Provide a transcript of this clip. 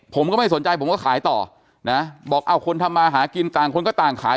ผมก็ไม่สนใจผมก็ขายต่อนะบอกเอาคนทำมาหากินต่างคนก็ต่างขาย